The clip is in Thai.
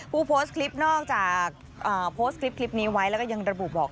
ผู้โพสต์คลิปนอกจากโพสต์คลิปนี้ไว้แล้วก็ยังระบุบอก